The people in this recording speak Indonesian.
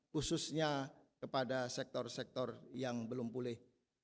khususnya kepada sektor sektor yang belum pulih